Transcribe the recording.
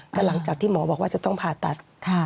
แต่หลังจากที่หมอบอกว่าจะต้องผ่าตัด